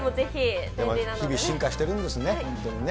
日々、進化してるんですね、本当にね。